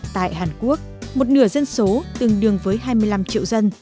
tại hàn quốc một nửa dân số tương đương với hai mươi năm triệu dân